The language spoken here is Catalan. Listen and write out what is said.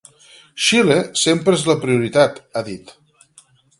Xile sempre és la prioritat, ha dit.